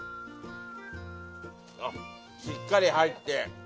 あっしっかり入ってあんこも。